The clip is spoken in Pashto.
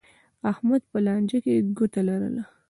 احمد په لانجه کې ګوته لرله.